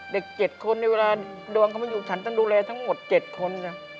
เด็ก๗คนนี่เวลาดวงเขาไม่อยู่ฉันต้องดูแลทั้งหมด๗คน